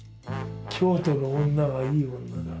「京都の女はいい女だ」。